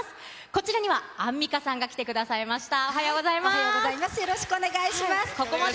こちらには、アンミカさんが来てくださいました。